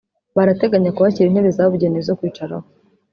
Barateganya kuhashyira intebe zabugenewe zo kwicaraho